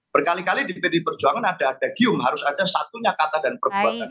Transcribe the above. berkali kali di pdi perjuangan ada gium harus ada satunya kata dan perbuatan